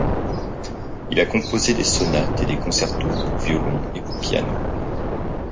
Il a composé des sonates et des concertos pour violon et pour piano.